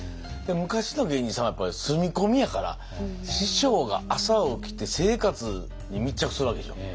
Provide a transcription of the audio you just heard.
昔の芸人さんはやっぱり住み込みやから師匠が朝起きて生活に密着するわけでしょ。